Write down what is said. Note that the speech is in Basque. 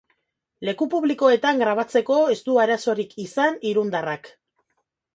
Leku publikoetan grabatzeko ez du arazorik izan irundarrak.